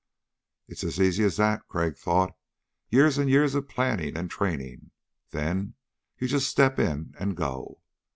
It's as easy as that, Crag thought. Years and years of planning and training; then you just step in and go.